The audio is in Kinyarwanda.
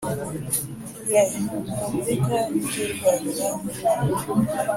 R publique du Rwanda No